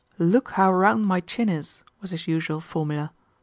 "Look how round my chin is!" was his usual formula.